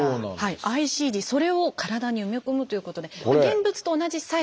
ＩＣＤそれを体に埋め込むということで現物と同じサイズ